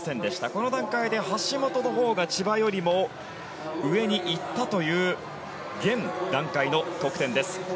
この段階で橋本のほうが千葉よりも上にいったという現段階の得点です。